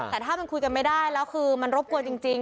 แต่ถ้ามันคุยกันไม่ได้แล้วคือมันรบกวนจริง